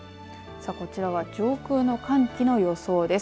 さあ、こちらは上空の寒気の予想です。